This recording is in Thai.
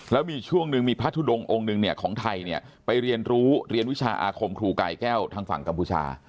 แล้วมีช่วงหนึ่งมีพระทุดงองค์หนึ่งเนี่ยของไทยเนี่ยไปเรียนรู้เรียนวิชาอาคมครูกายแก้วทางฝั่งกัมพูชา